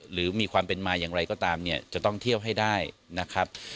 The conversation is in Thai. หรือมีความเป็นมาอย่างไรก็ตามเนี่ยจะต้องเที่ยวให้ได้นะครับ